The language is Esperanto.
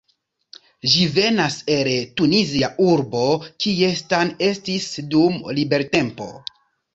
Ĝi venas el Tunizia urbo kie Stan estis dum libertempo.